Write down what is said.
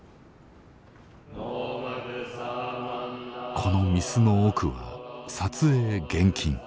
この御簾の奥は撮影厳禁。